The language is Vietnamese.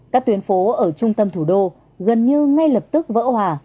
các tuyến phố ở trung tâm thủ đô gần như ngay lập tức vỡ hòa